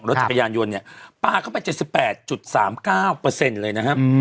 รถจักรยานยนต์เนี่ยปลาเข้าไป๗๘๓๙เลยนะครับ